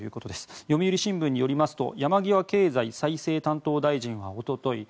読売新聞によりますと山際経済再生担当大臣はおととい